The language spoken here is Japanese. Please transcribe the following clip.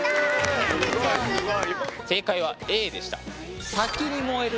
正解はＡでした。